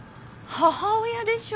母親でしょ？